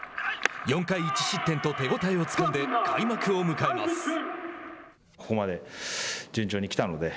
４回１失点と手応えをつかんで、開幕を迎えます。